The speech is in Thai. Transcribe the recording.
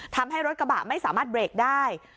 ทำให้รถกระบะไม่สามารถเบรกได้